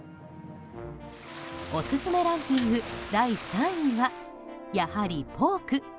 オススメランキング第３位はやはりポーク。